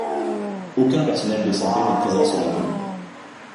Aucun personnel de santé n'est présent sur la commune.